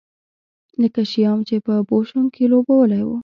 لکه شیام چې په بوشونګ کې لوبولی و.